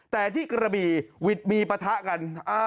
แต่ที่กระบี่วิทย์มีปะทะกัน